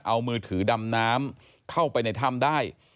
เอามือถือดำน้ำเข้าไปในถ้ำได้